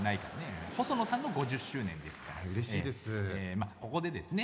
まあここでですね